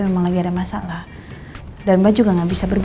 because lo kelihatan biar